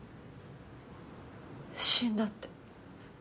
死んだって。